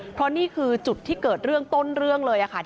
เพราะนี่คือจุดที่เกิดเรื่องต้นเรื่องเลยค่ะ